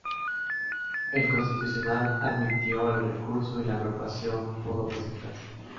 El Constitucional admitió el recurso y la agrupación pudo presentarse.